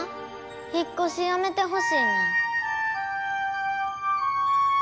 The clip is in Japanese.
引っこしやめてほしいねん。